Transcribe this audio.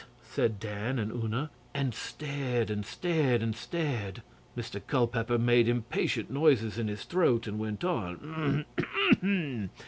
said Dan and Una, and stared, and stared, and stared. Mr Culpeper made impatient noises in his throat and went on.